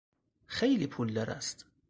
خیلی پولدار است.